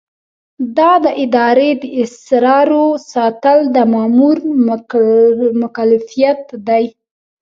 د ادارې د اسرارو ساتل د مامور مکلفیت دی.